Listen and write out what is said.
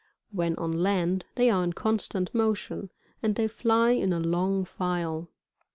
When on land, they are in constant motion, and they fly in a long file.